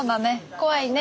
怖いね。